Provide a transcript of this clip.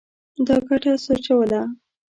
ده ګټه سوچوله.